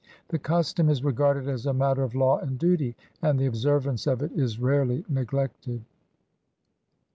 The custom is regarded as a matter of law and duty, and the observance of it is rarely neglected.